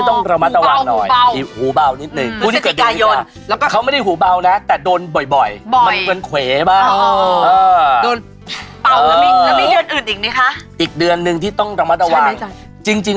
หรอรอซ่อหรอราเซฟนุ่มสาวที่เกิดเดือนไหนในช่วงนี้มีเกณฑ์โดนเพื่อนแทงข้างหลัง